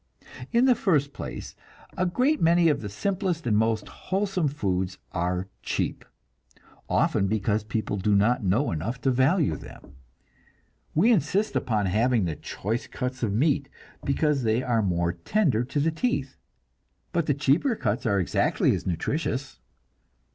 In the first place, a great many of the simplest and most wholesome foods are cheap often because people do not know enough to value them. We insist upon having the choice cuts of meats, because they are more tender to the teeth, but the cheaper cuts are exactly as nutritious.